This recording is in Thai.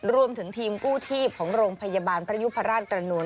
รวมถึงทีมกู้ชีพของโรงพยาบาลพระยุพราชตระนวล